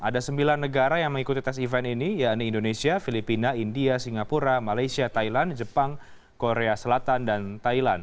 ada sembilan negara yang mengikuti tes event ini yaitu indonesia filipina india singapura malaysia thailand jepang korea selatan dan thailand